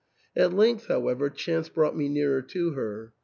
At length, however, chance brought me nearer to her.